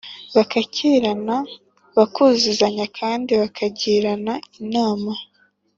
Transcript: bakakirana, bakuzuzanya kandi bakagirana inama.